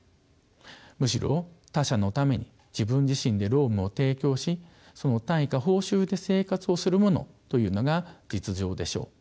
むしろ他者のために自分自身で労務を提供しその対価・報酬で生活をする者というのが実情でしょう。